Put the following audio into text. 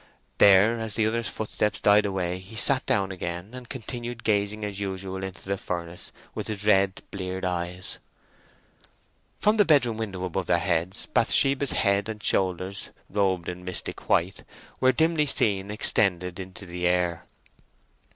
There, as the others' footsteps died away he sat down again and continued gazing as usual into the furnace with his red, bleared eyes. From the bedroom window above their heads Bathsheba's head and shoulders, robed in mystic white, were dimly seen extended into the air.